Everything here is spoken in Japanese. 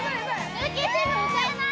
ルーキーチーム歌えない？